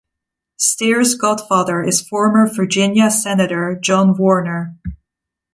Steers' godfather is former Virginia Senator John Warner.